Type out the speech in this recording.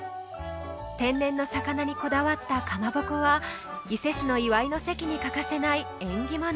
天然の魚にこだわったかまぼこは伊勢市の祝いの席に欠かせない縁起物